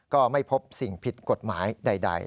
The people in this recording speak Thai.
ก็ไม่พบสิ่งผิดกฎหมายใด